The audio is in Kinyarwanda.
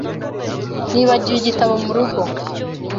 Nibagiwe igitabo murugo.